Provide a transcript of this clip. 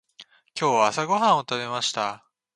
今日朝ごはんを食べました。